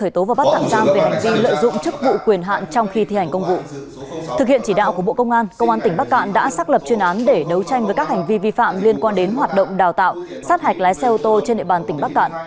thực hiện chỉ đạo của bộ công an công an tỉnh bắc cạn đã xác lập chuyên án để đấu tranh với các hành vi vi phạm liên quan đến hoạt động đào tạo sát hạch lái xe ô tô trên địa bàn tỉnh bắc cạn